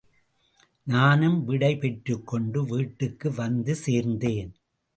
நானும் விடை பெற்றுக்கொண்டு வீட்டுக்கு வந்து சேர்ந்தேன்.